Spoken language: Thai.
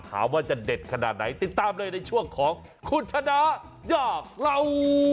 ว่าจะเด็ดขนาดไหนติดตามเลยในช่วงของคุณชนะอยากเล่า